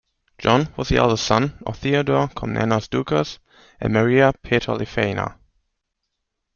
John was the eldest son of Theodore Komnenos Doukas and Maria Petraliphaina.